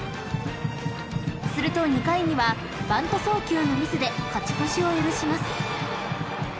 ［すると２回にはバント送球のミスで勝ち越しを許します］